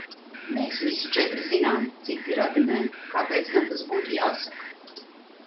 Mēs visi četri zinām, citi radi nē – kāpēc gan tas būtu jāsaka!?